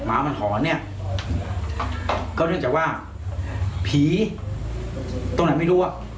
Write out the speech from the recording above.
หมามันหอนเนี่ยก็เนื่องจากว่าผีตรงไหนไม่รู้อ่ะ